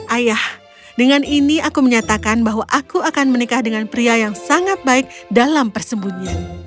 ayah dengan ini aku menyatakan bahwa aku akan menikah dengan pria yang sangat baik dalam persembunyian